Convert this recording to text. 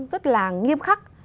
rất là nghiêm khắc